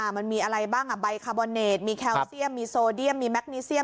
มันมีอะไรบ้างใบคาร์บอเนดมีแคลเซียมมีโซเดียมมีแมคนิเซียม